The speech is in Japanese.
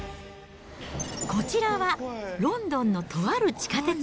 こちらはロンドンのとある地下鉄。